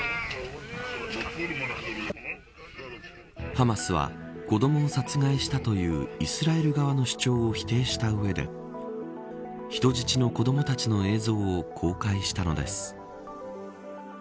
ハマスは子どもを殺害したというイスラエル側の主張を否定した上で人質の子どもたちの映像を公開したのです。